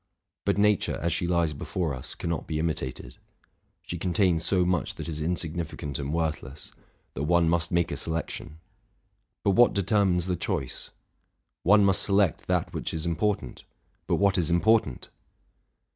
But nature, as she lies before us, cannot be imitated: she contains so much that is insignifi cant and worthless, that one must make a selection; but what determines the choice? one must select that which is important: but what is important?